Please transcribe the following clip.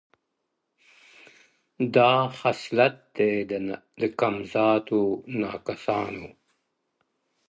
دا خصلت دی د کم ذاتو ناکسانو.